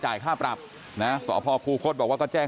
จ่ายค่าปรับนะก็แจ้ง